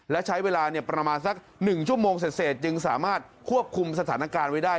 และใช้เวลาประมาณสัก๑ชั่วโมงเสร็จจึงสามารถควบคุมสถานการณ์ไว้ได้